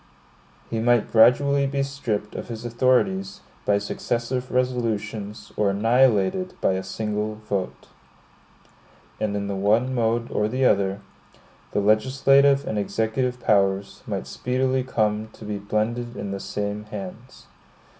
He might gradually be stripped of his authorities by successive resolutions, or annihilated by a single vote. And in the one mode or the other, the legislative and executive powers might speedily come to be blended in the same hands.